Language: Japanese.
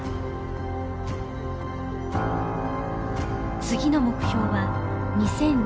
次の目標は２０２５年。